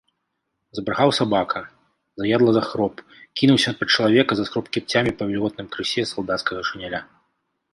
Забрахаў сабака, заядла захроп, кінуўся пад чалавека, заскроб кіпцямі па вільготным крысе салдацкага шыняля.